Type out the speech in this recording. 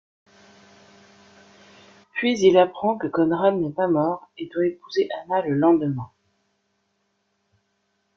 Puis il apprend que Konrad n'est pas mort et doit épouser Anna le lendemain.